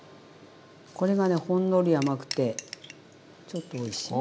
これがねほんのり甘くてちょっとおいしい。